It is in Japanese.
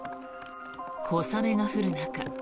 小雨が降る中